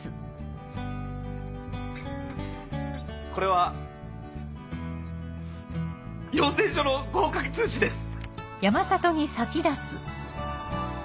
これは養成所の合格通知です！